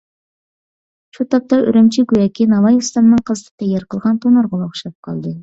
شۇ تاپتا ئۈرۈمچى گوياكى ناۋاي ئۇستامنىڭ قىزىتىپ تەييار قىلغان تونۇرىغىلا ئوخشاپ قالدى.